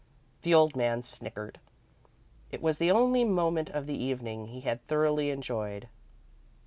The old man snickered. It was the only moment of the evening he had thoroughly enjoyed.